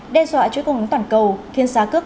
đe dọa chối công ứng toàn cầu khiến xa cước